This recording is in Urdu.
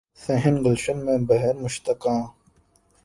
صحن گلشن میں بہر مشتاقاں